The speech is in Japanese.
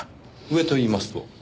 上と言いますと？